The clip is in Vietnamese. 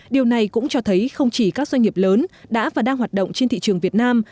điều này cũng cho thấy không chỉ các doanh nghiệp lớn đã và đang hoạt động trên thị trường việt nam